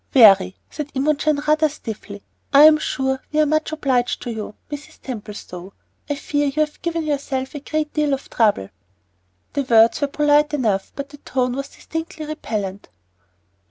"Very," said Imogen, rather stiffly. "I'm sure we're much obliged to you, Mrs. Templestowe. I fear you have given yourself a great deal of trouble." The words were polite enough, but the tone was distinctly repellent.